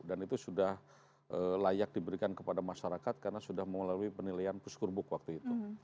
dan itu sudah layak diberikan kepada masyarakat karena sudah mengalami penilaian puskur buk waktu itu